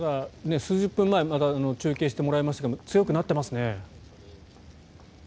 数十分前中継してもらいましたが強くなってますね。